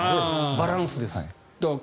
バランスです。